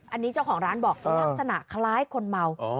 อันนี้เจ้าของร้านบอกลักษณะคล้ายคนเมา